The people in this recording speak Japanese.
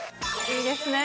いいですね。